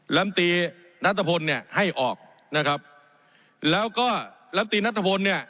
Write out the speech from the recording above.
ลำตีนัทพลเนี่ยให้ออกนะครับแล้วก็ลำตีนัทพลเนี่ย